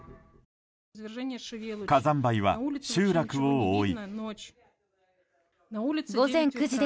火山灰は集落を覆い。